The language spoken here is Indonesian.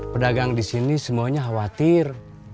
pedagang di sini semuanya khawatir